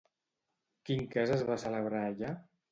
Quin cas es va celebrar allà?